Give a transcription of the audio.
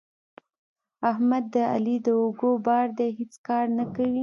احمد د علي د اوږو بار دی؛ هیڅ کار نه کوي.